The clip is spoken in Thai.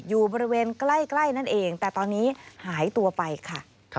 อยู่บริเวณใกล้นั่นเองแต่ตอนนี้หายตัวไปค่ะ